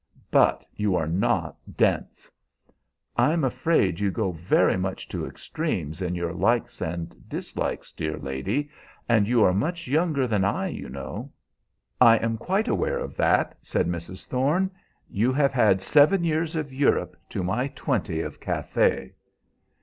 "But you are not dense!" "I'm afraid you go very much to extremes in your likes and dislikes, dear lady, and you are much younger than I, you know." "I am quite aware of that," said Mrs. Thorne. "You have had seven years of Europe to my twenty of Cathay."